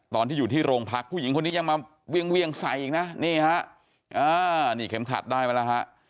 ตอนที่อยู่ที่โรงพักผู้หญิงคนนี้ยังมาเวี่ยงใส่อีกนะนี่ฮะนี่เข็มขัดได้ไหมแล้วฮะ